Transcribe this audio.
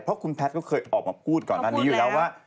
เพราะคุณแพทย์ก็เคยออกมาพูดก่อนอันนี้อยู่แล้วว่า